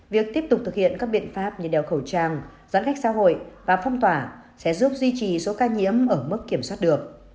việc tiếp tục thực hiện các biện pháp như đeo khẩu trang giãn cách xã hội và phong tỏa sẽ giúp duy trì số ca nhiễm ở mức kiểm soát được